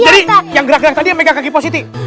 jadi yang gerak gerak tadi yang megang kaki positif